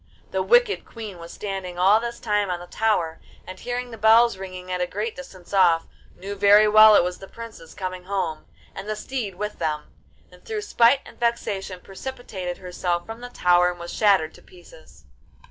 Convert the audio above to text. The wicked Queen was standing all this time on the tower, and, hearing the bells ringing at a great distance off, knew very well it was the princes coming home, and the steed with them, and through spite and vexation precipitated herself from the tower and was shattered to pieces.